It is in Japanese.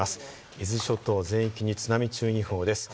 伊豆諸島全域に津波注意報です。